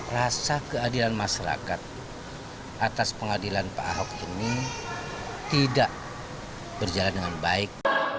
rasa keadilan masyarakat atas pengadilan pak ahok ini tidak berjalan dengan baik